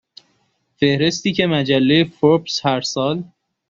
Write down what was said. فهرستی که مجله فوربس هر سال